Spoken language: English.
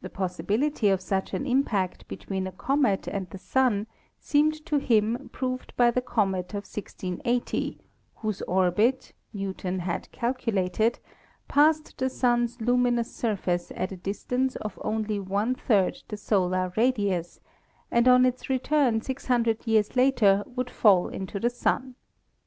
The possibilityof such an impact between a comet and the Sun seemed to him proved by the comet of 1680, whose orbit, Newton had calculated, passed the Sun's luminous surface at a distance of only one third the solar radius, and on its return 600 years later would fall into the Sun.